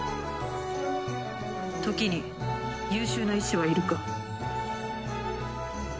時に優秀な医師はいるか？